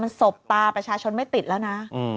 มันสบตาประชาชนไม่ติดแล้วนะ